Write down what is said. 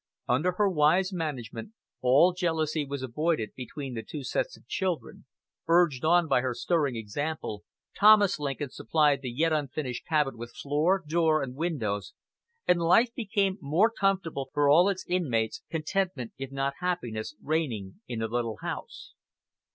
Under her wise management all jealousy was avoided between the two sets of children; urged on by her stirring example, Thomas Lincoln supplied the yet unfinished cabin with floor, door, and windows, and life became more comfortable for all its inmates, contentment if not happiness reigning in the little home.